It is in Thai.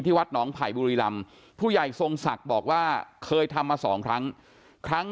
วัดหนองไผ่บุรีลำผู้ใหญ่ทรงศักดิ์บอกว่าเคยทำมาสองครั้งครั้ง